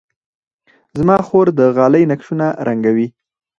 زما خور د غالۍ نقشونه رنګوي.